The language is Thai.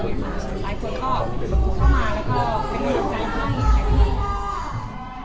หลายคนก็เข้ามาแล้วก็ไปดอมใจพวกเขา